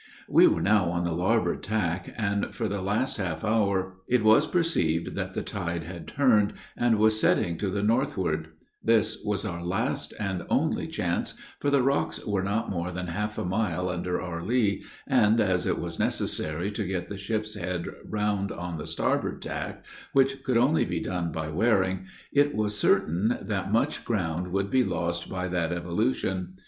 We were now on the larboard tack, and, for the last half hour, it was perceived that the tide had turned, and was setting to the northward; this was our last and only chance, for the rocks were not more than half a mile under our lee, and as it was necessary to get the ship's head round on the starboard tack, which could only be done by wearing, it was certain that much ground would be lost by that evolution.